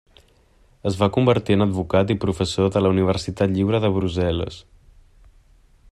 Es va convertir en advocat i professor de la Universitat Lliure de Brussel·les.